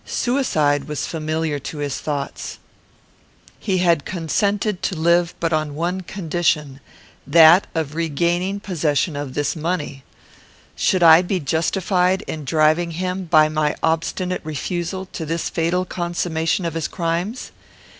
Suicide was familiar to his thoughts. He had consented to live but on one condition; that of regaining possession of this money. Should I be justified in driving him, by my obstinate refusal, to this fatal consummation of his crimes?